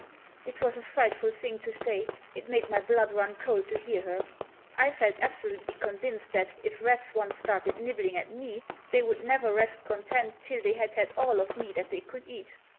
It was a frightful thing to say. It made my blood run cold to hear her. I felt absolutely convinced that if rats once started nibbling at me they would never rest content till they had had all of me that they could eat.